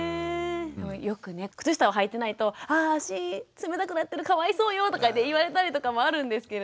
よくね靴下をはいてないと「あ足冷たくなってるかわいそうよ」とか言われたりとかもあるんですけれども。